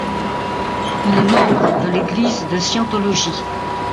Il est membre de l'Église de Scientologie.